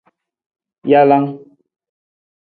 Jalang.